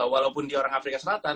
walaupun dia orang afrika selatan